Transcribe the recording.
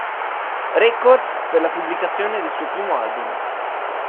Records per la pubblicazione del suo primo album.